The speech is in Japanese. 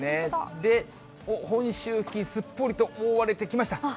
で、本州付近、すっぽりと覆われてきました。